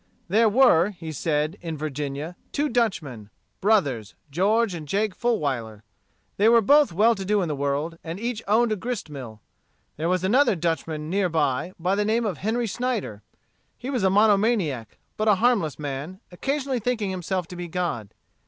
There were, he said, in Virginia, two Dutchmen, brothers, George and Jake Fulwiler. They were both well to do in the world, and each owned a grist mill. There was another Dutchman near by, by the name of Henry Snyder. He was a mono maniac, but a harmless man, occasionally thinking himself to be God.